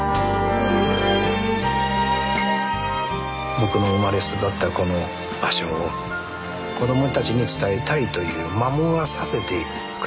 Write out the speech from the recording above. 僕の生まれ育ったこの場所を子供たちに伝えたいという守らさせて下さいと。